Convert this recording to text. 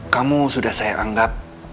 kamu sudah saya anggap